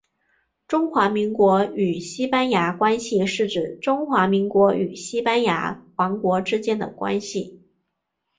中华民国与西班牙关系是指中华民国与西班牙王国之间的关系。